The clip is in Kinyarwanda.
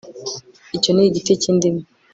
icyo ni igiti cy'indimu